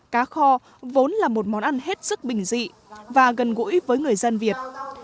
cá kho vốn là một món ăn hết sức bình dị và gần gũi với người dân việt